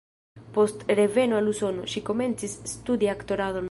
Post reveno al Usono, ŝi komencis studi aktoradon.